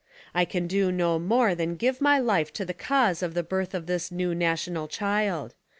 I can do no more than give my life to the cause of the birth of this new National Child.